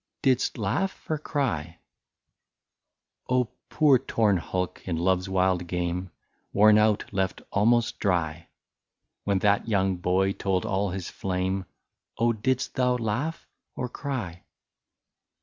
40 DIDST LAUGH OR CRY ?* Oh ! poor torn hulk in Love's wild game, Worn out, left almost dry, When that young boy told all his flame. Oh ! didst thou laugh or cry